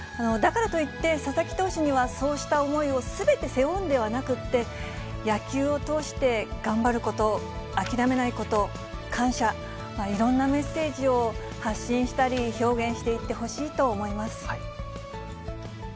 だからといって佐々木投手には、そうした思いをすべて背負うんではなくて、野球を通して頑張ること、諦めないこと、感謝、いろんなメッセージを発信したり、表現していってほしいと思います。